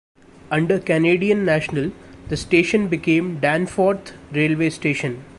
Under Canadian National the station became Danforth Railway Station.